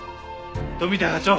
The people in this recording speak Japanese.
富田課長！